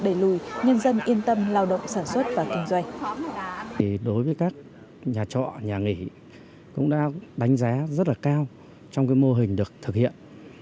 đối với các nhà trọ nhà nghỉ cũng đã đánh giá rất là cao trong mô hình được thực hiện